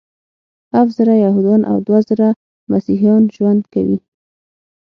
هفت زره یهودان او دوه زره مسیحیان ژوند کوي.